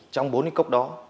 trong bốn cốc đó